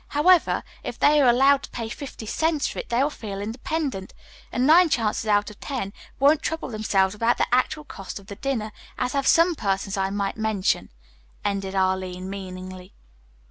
However, if they are allowed to pay fifty cents for it they will feel independent, and, nine chances out of ten, won't trouble themselves about the actual cost of the dinner, as have some persons I might mention," ended Arline meaningly.